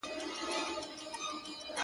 • په رګو کي د وجود مي لکه وینه..